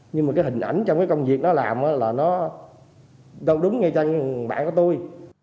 nhưng mà cái hình ảnh trong cái công việc nó làm là nó đúng ngay cho bạn của tôi